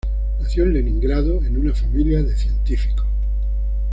Nació en Leningrado en una familia de científicos.